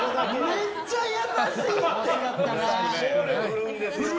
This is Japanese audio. めっちゃ優しいって！